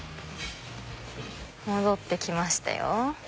戻って来ましたよ。